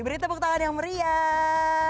beri tepuk tangan yang meriah